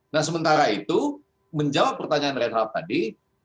nah sementara itu menjawab pertanyaan reinhard tadi